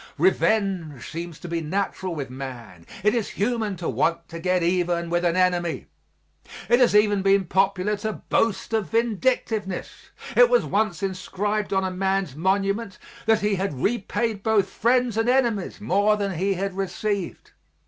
Revenge seems to be natural with man; it is human to want to get even with an enemy. It has even been popular to boast of vindictiveness; it was once inscribed on a man's monument that he had repaid both friends and enemies more than he had received.